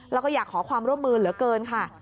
แล้วก็อยากขอความร่วมมือเหลือเกินค่ะ